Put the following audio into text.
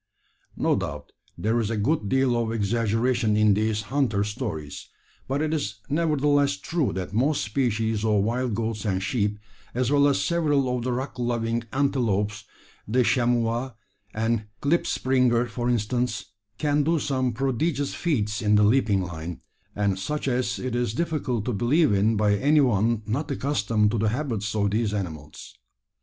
No doubt there is a good deal of exaggeration in these "hunter stories;" but it is nevertheless true that most species of wild goats and sheep, as well as several of the rock loving antelopes the chamois and klipspringer, for instance can do some prodigious feats in the leaping line, and such as it is difficult to believe in by any one not accustomed to the habits of these animals.